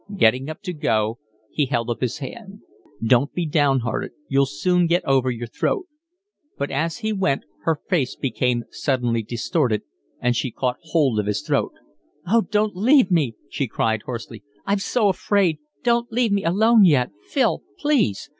Getting up to go, he held out his hand. "Don't be downhearted, you'll soon get over your throat." But as he went her face became suddenly distorted, and she caught hold of his coat. "Oh, don't leave me," she cried hoarsely. "I'm so afraid, don't leave me alone yet. Phil, please.